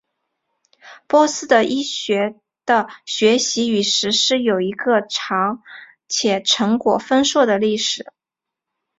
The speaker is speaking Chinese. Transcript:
波斯的医学的学习与实施有一个长且成果丰硕的历史。